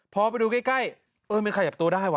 พอไปดูใกล้เออมีขยับตัวได้ว่